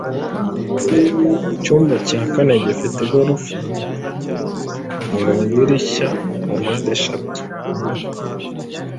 icyumba cya kare gifite igorofa kandi mfunga amadirishya ku mpande eshatu